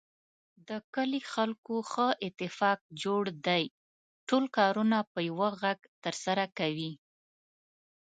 د کلي خلکو ښه اتفاق جوړ دی. ټول کارونه په یوه غږ ترسره کوي.